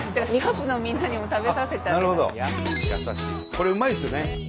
これうまいですよね。